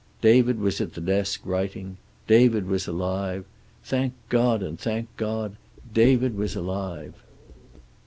David was at the desk writing. David was alive. Thank God and thank God, David was alive.